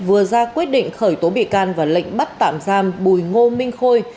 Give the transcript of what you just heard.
vừa ra quyết định khởi tố bị can và lệnh bắt tạm giam bùi ngô minh khôi